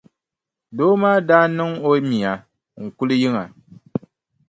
Doo maa daa niŋ o mia n-kuli yiŋa.